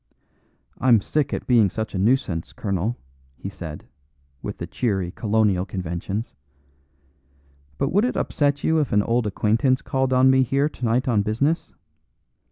"I'm sick at being such a nuisance, colonel," he said, with the cheery colonial conventions; "but would it upset you if an old acquaintance called on me here tonight on business?